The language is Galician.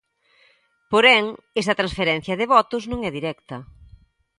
Porén, esta transferencia de votos non é directa.